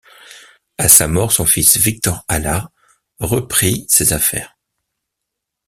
À sa mort, son fils Victor Allard reprit ses affaires.